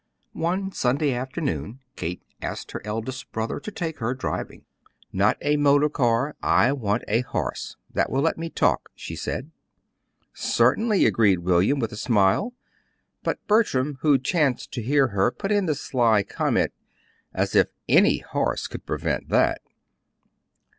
On Sunday afternoon Kate asked her eldest brother to take her driving. "Not a motor car; I want a horse that will let me talk," she said. "Certainly," agreed William, with a smile; but Bertram, who chanced to hear her, put in the sly comment: "As if ANY horse could prevent that!"